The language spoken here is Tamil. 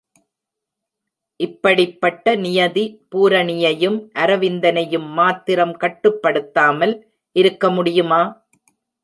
இப்படிப்பட்ட நியதி பூரணியையும், அரவிந்தனையும் மாத்திரம் கட்டுப்படுத்தாமல் இருக்க முடியுமா?